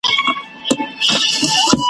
په وهلو یې په کار لګیا کومه ,